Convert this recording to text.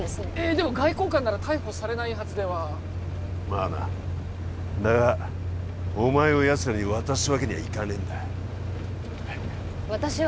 でも外交官なら逮捕されないはずではまあなだがお前をやつらに渡すわけにはいかねえんだ私は？